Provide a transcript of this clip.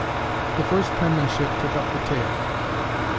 The first penmanship took up the tale.